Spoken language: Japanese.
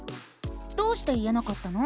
どうして言えなかったの？